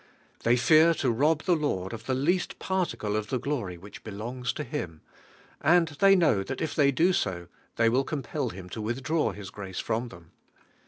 They funr to rob the Lord of the least particle of the glory which belongs to Him, unci thej kiiuiv that if they do bo, they will compel Him to withdraw His grace from them.